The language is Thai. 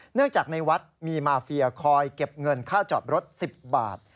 เนื่องจากในวัดมีมาเฟียคอยเก็บเงินค่าจอดรถ๑๐บาท